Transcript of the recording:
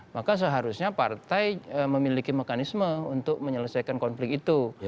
maka seharusnya partai memiliki mekanisme untuk menyelesaikan konflik itu